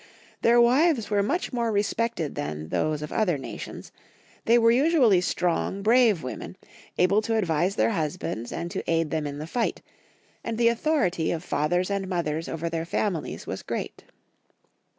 Their wives were much more respected than those of other nations ; they were usually strong, brave women, able to advise their husbands and to aid them in the fight ; and the authority of fathers and mothers over their families was great.